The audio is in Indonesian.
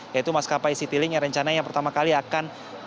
yaitu maskapai citylink yang rencana yang pertama kali akan